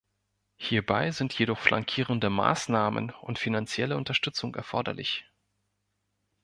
Hierbei sind jedoch flankierende Maßnahmen und finanzielle Unterstützung erforderlich.